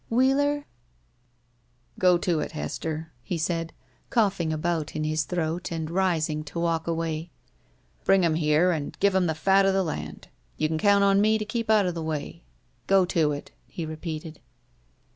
"Wheeler?" "Go to it, Hester," he said, coughing about in his throat and rising to walk away. "Bring him here and give him the fat of the land. You can count on me to keep out of the way. Go to it," he repeated.